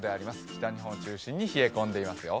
北日本を中心に冷え込んでいますよ。